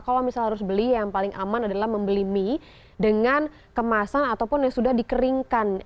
kalau misalnya harus beli yang paling aman adalah membeli mie dengan kemasan ataupun yang sudah dikeringkan